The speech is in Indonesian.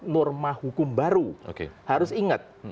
norma hukum baru harus ingat